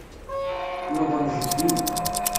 Yuḍen jeddi.